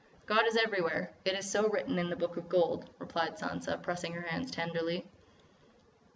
"God is everywhere. It is so written in the Book of Gold," replied Sansa, pressing her hands tenderly.